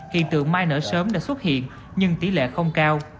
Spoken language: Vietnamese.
hiện tượng mai nở sớm đã xuất hiện nhưng tỷ lệ không cao